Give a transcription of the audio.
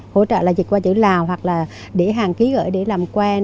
hỗ trợ là dịch qua chữ lào hoặc là để hàn ký gửi để làm quen